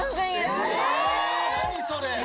え何それ！